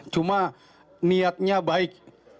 cuma niatnya baik